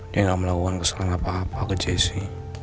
dia gak melakukan kesalahan apa apa ke jesse